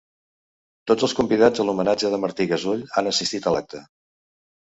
Tots els convidats a l'homenatge de Martí Gasull han assistit a l'acte